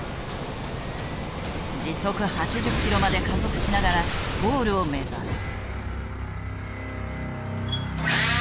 時速８０キロまで加速しながらゴールを目指す。